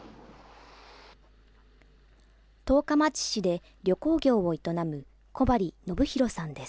十日町市で旅行業を営む小針伸広さんです。